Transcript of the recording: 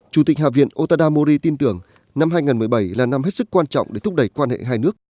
chủ tịch hạ viện otada mori tin tưởng năm hai nghìn một mươi bảy là năm hết sức quan trọng để thúc đẩy quan hệ hai nước